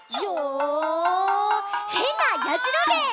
へんなやじろべえ」